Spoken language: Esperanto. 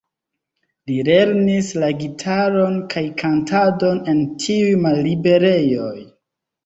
Li lernis la gitaron kaj kantadon en tiuj malliberejoj.